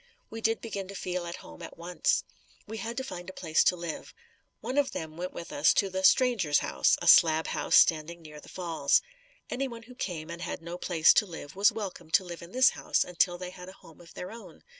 We did begin to feel at home at once. We had to find a place to live. One of them went with us to the "Stranger's House," a slab house standing near the falls. Anyone who came and had no place to live was welcome to live in this house until they had a home of their own.